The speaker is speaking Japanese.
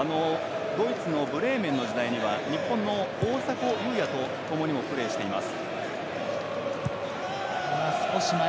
ドイツのブレーメンの時代には日本の大迫勇也とともにプレーもしています。